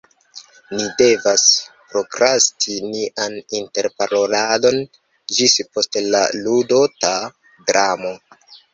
Ni devas prokrasti nian interparoladon ĝis post la ludota dramo.